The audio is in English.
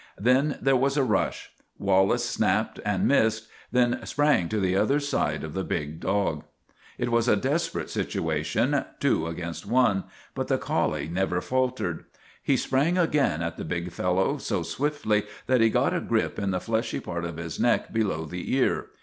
Then there was a rush. Wallace snapped and missed, then sprang to the other side of the big dog. It was a desperate situation two against one but the collie never faltered. He sprang again at the big fellow so swiftly that he got a grip in the fleshy part of his neck below the ear.